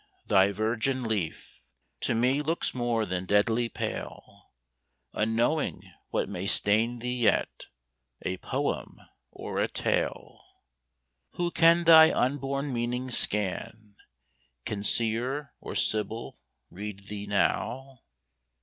thy virgin leaf To me looks more than deadly pale, Unknowing what may stain thee yet, A poem or a tale. Who can thy unborn meaning scan? Can Seer or Sibyl read thee now?